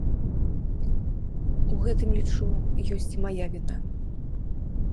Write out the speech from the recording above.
У гэтым, лічу, ёсць і мая віна.